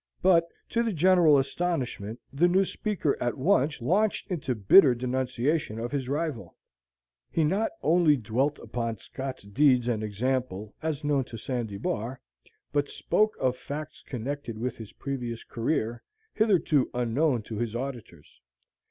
But, to the general astonishment, the new speaker at once launched into bitter denunciation of his rival. He not only dwelt upon Scott's deeds and example, as known to Sandy Bar, but spoke of facts connected with his previous career, hitherto unknown to his auditors.